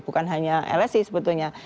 bukan hanya lsi sebetulnya